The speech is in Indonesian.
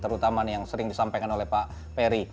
terutama yang sering disampaikan oleh pak peri